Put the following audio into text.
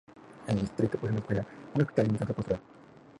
El distrito posee una escuela, un hospital y un centro cultural.